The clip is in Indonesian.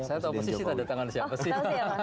saya tahu posisi tanda tangan siapa sih